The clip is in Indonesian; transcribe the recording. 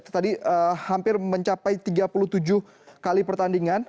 tadi hampir mencapai tiga puluh tujuh kali pertandingan